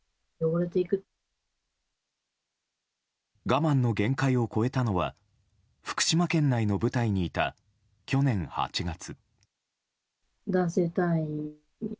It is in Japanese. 我慢の限界を超えたのは福島県内の部隊にいた去年８月。